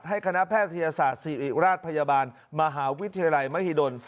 คณะแพทยศาสตร์ศิริราชพยาบาลมหาวิทยาลัยมหิดล